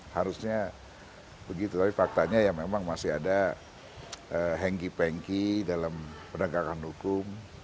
harusnya begitu tapi faktanya ya memang masih ada hengki pengki dalam penegakan hukum